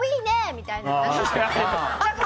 みたいな。